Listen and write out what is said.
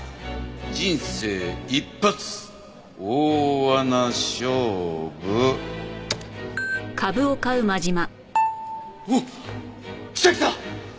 人生一発大穴勝負！おっきたきた！